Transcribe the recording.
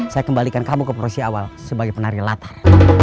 saya kembalikan kamu ke porsi awal sebagai penari latar